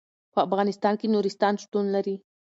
په افغانستان کې نورستان شتون لري.